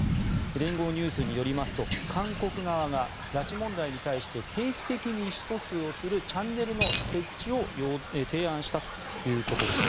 連合ニュースによりますと韓国側が拉致被害に対して定期的に意思疎通をするチャンネルの設置を提案したということです。